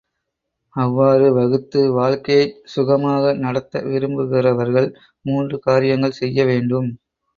அவ்வாறு வகுத்து வாழ்க்கையைச் சுகமாக நடத்த விரும்புகிறவர்கள் மூன்று காரியங்கள் செய்ய வேண்டும்.